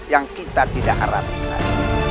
yang kita tidak harapkan